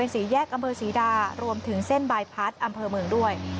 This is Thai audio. สี่แยกอำเภอศรีดารวมถึงเส้นบายพัดอำเภอเมืองด้วย